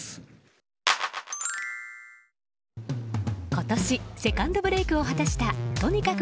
今年セカンドブレークを果たしたとにかく